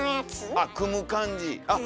あっ組む感じ？